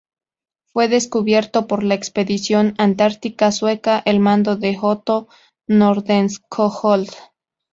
Fue descubierto por la Expedición Antártica Sueca, al mando de Otto Nordenskjöld.